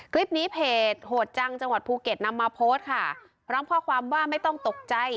คลิปนี้เพจโหดจังจังหวัดภูเก็ตนำมาโพสต์ค่ะพร้อมข้อความว่าไม่ต้องตกใจ